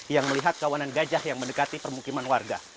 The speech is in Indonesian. yang melihat kawanan gajah yang mendekati permukiman warga